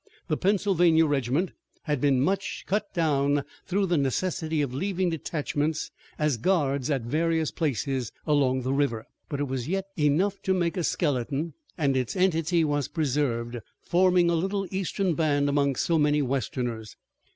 The Pennsylvania regiment had been much cut down through the necessity of leaving detachments as guards at various places along the river, but it was yet enough to make a skeleton and its entity was preserved, forming a little eastern band among so many westerners.